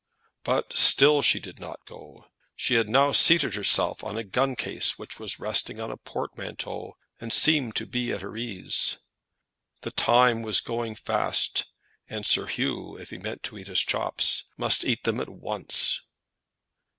But still she did not go. She had now seated herself on a gun case which was resting on a portmanteau, and seemed to be at her ease. The time was going fast, and Sir Hugh, if he meant to eat his chops, must eat them at once.